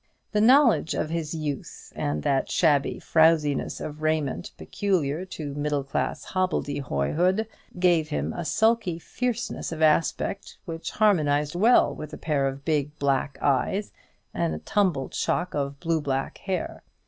The knowledge of his youth, and that shabby frouziness of raiment peculiar to middle class hobbledehoyhood, gave him a sulky fierceness of aspect, which harmonized well with a pair of big black eyes and a tumbled shock of blue black hair.